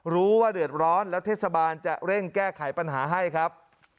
รู้ว่าเดือดร้อนแล้วเทศบาลจะเร่งแก้ไขปัญหาให้ครับ